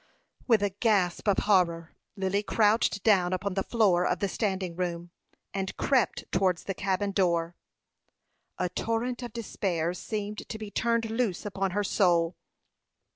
With a gasp of horror, Lily crouched down upon the floor of the standing room, and crept towards the cabin door. A torrent of despair seemed to be turned loose upon her soul.